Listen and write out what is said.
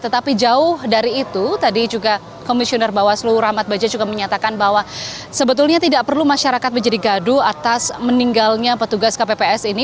tetapi jauh dari itu tadi juga komisioner bawaslu rahmat bajaj juga menyatakan bahwa sebetulnya tidak perlu masyarakat menjadi gaduh atas meninggalnya petugas kpps ini